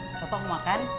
bapak mau makan